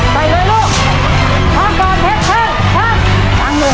ไปเลยลูกข้างก่อนข้างข้างข้างเลย